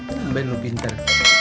udah bang lo pinter